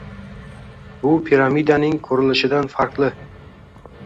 Bu piramidaning qurilishidan farqli.